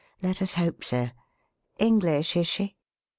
Let us hope so. English, is she?"